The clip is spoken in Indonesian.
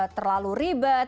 kemudian pemanggilan anti jahat